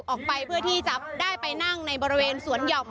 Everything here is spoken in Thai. ออกไปเพื่อที่จะได้ไปนั่งในบริเวณสวนหย่อม